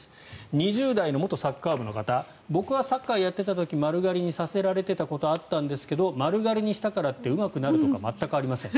２０代の元サッカー部の方僕はサッカーをやっていた時丸刈りにさせられたことあったんですが丸刈りにしたからってうまくなるとかは全くありません。